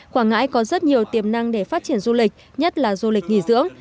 quảng ngãi có rất nhiều tiềm năng để phát triển du lịch nhất là du lịch nghỉ dưỡng